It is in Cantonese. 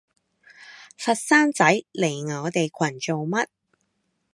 佛山仔嚟我哋群做乜？